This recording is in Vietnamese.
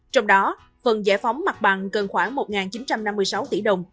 trong đó phần giải phóng mặt bằng cần khoảng một chín trăm năm mươi sáu tỷ đồng